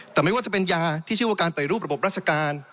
แต่ไม่ว่าจะเป็นยาที่ชื่อว่าการไปรูประบบราชการ